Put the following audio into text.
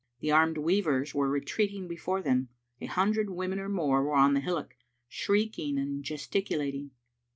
The armed weavers were retreating before them. A hundred women or more were on the hillock, shrieking and gesticulating.